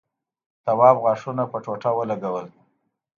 تواب غاښونه پر ټوټه ولگول.